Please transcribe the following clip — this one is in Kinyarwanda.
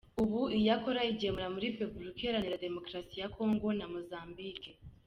Ubu iyo akora ayigemura muri Repubulika Iharanira Demokarasi ya Congo na Mozambique.